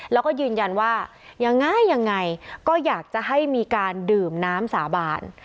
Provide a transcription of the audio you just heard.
แล้วก็ยืนยันว่ายังไงยังไงก็อยากจะให้มีการดื่มน้ำสาบาน